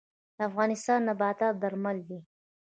د افغانستان نباتات درمل دي